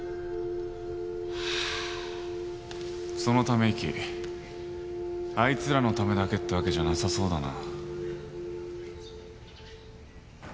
そのため息あいつらのためだけってわけじゃなさそうだな。